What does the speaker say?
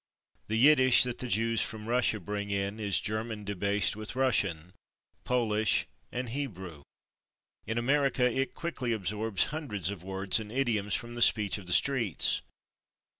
The Yiddish that the Jews from Russia bring in is German debased with Russian, Polish and [Pg155] Hebrew; in America, it quickly absorbs hundreds of words and idioms from the speech of the streets.